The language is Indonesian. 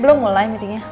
belum mulai meetingnya